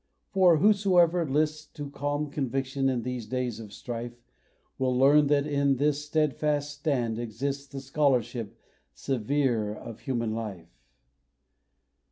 For whosoever lists To calm conviction in these days of strife, Will learn that in this steadfast stand exists The scholarship severe of human life.